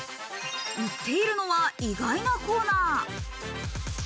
売っているのは意外なコーナー。